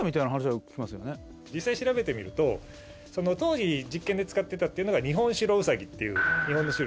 実際調べてみると当時実験で使ってたっていうのが日本白うさぎっていう日本の種類。